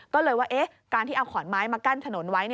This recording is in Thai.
ก็เลยว่าการที่เอาขอนไม้มากั้นถนนไว้